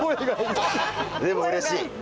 でもうれしい。